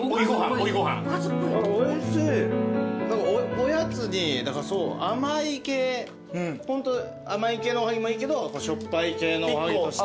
おやつに甘い系甘い系のおはぎもいいけどしょっぱい系のおはぎとして。